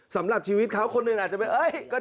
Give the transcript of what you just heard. สำหรับชีวิตเขาคนหนึ่งอาจจะเป็น